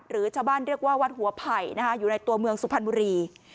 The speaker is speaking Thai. หรือชาวบ้านเรียกว่าวัดหัวไผ่อยู่ในตัวเมืองสุพรรณบุรี